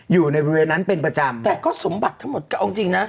อยู่ในบริเวณนั้นเป็นประจำแต่ก็สมบัติทั้งหมดก็เอาจริงนะ